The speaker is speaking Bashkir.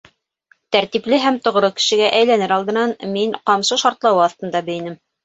Тәртипле һәм тоғро кешегә әйләнер алдынан мин ҡамсы шартлауы аҫтында бейенем.